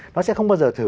nó sẽ không bao giờ thử